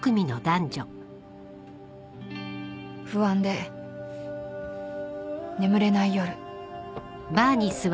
［不安で眠れない夜］